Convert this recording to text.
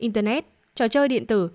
internet trò chơi điện tử